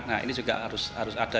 nah ini juga harus ada